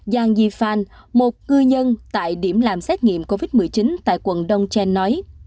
giang yi fan một cư nhân tại điểm làm xét nghiệm covid một mươi chín tại quận đông chen nói